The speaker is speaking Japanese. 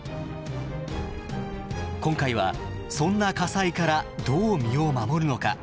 今回はそんな火災からどう身を守るのか。